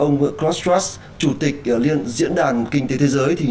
nếu bạn theo ông klaus strauss chủ tịch liên diễn đàn kinh tế thế giới